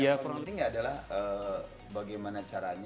yang penting adalah bagaimana caranya